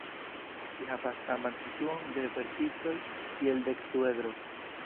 Ĝi havas la saman situon de verticoj kiel dekduedro.